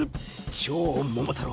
「超桃太郎」